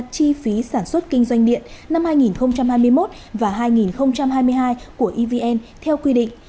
chi phí sản xuất kinh doanh điện năm hai nghìn hai mươi một và hai nghìn hai mươi hai của evn theo quy định